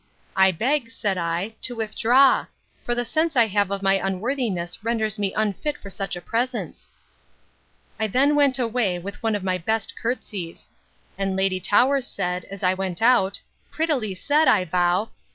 —I beg, said I, to withdraw; for the sense I have of my unworthiness renders me unfit for such a presence. I then went away, with one of my best courtesies; and Lady Towers said, as I went out, Prettily said, I vow!